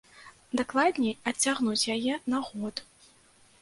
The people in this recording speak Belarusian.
Дакладней, адцягнуць яе на год.